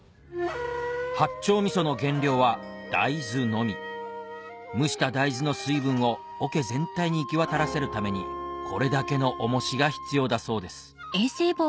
八丁味噌の原料は大豆のみ蒸した大豆の水分を桶全体に行き渡らせるためにこれだけの重しが必要だそうです